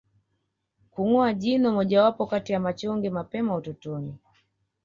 Kungoa jino mojawapo kati ya machonge mapema utotoni